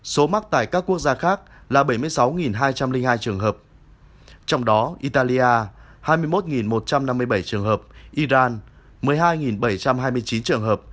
số mắc tại các quốc gia khác là bảy mươi sáu hai trăm linh hai trường hợp trong đó italia hai mươi một một trăm năm mươi bảy trường hợp iran một mươi hai bảy trăm hai mươi chín trường hợp